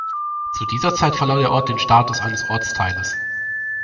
Zu dieser Zeit verlor der Ort den Status eines Ortsteiles.